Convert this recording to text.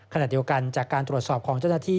ขณะเดียวกันจากการตรวจสอบของเจ้าหน้าที่